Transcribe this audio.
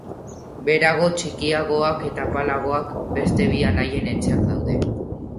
Beherago, txikiagoak eta apalagoak, beste bi anaien etxeak daude.